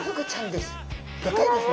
でかいですね。